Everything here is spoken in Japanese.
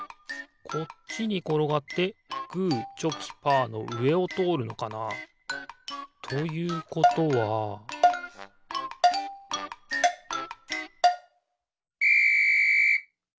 こっちにころがってグーチョキパーのうえをとおるのかな？ということはピッ！